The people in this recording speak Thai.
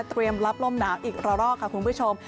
เตรียมรับลมหนาวอีกรอบค่ะคุณผู้ชม